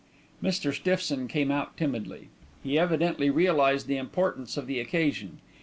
Mr. Stiffson came out timidly. He evidently realised the importance of the occasion.